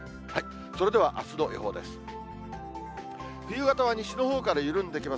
それではあすの予報です。